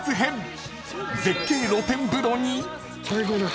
［絶景露天風呂に］